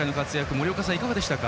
森岡さん、いかがでしたか？